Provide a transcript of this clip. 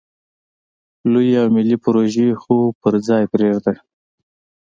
لویې او ملې پروژې خو په ځای پرېږده.